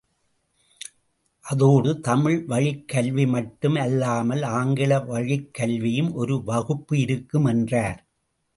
அதோடு தமிழ் வழிக் கல்வி மட்டும் அல்லாமல் ஆங்கில வழிக்கல்வியும் ஒரு வகுப்பு இருக்கும் என்றார்.